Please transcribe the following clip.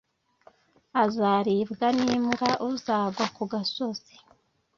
azaribwa n imbwa uzagwa ku gasozi